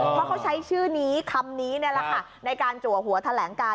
เพราะเขาใช้ชื่อนี้คำนี้ในการจัวหัวแถลงการ